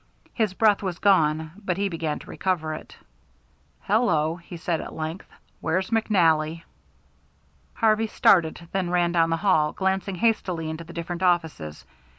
His breath was gone, but he began to recover it. "Hello," he said, at length, "where's McNally?" Harvey started, then ran down the hall, glancing hastily into the different offices.